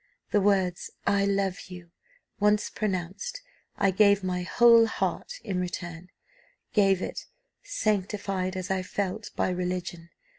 The words 'I love you' once pronounced, I gave my whole heart in return, gave it, sanctified, as I felt, by religion.